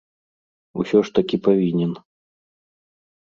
Усё ж такі павінен.